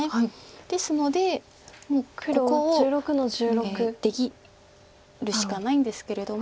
ですのでもうここを出切るしかないんですけれども。